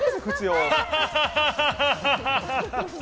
ハハハハハ！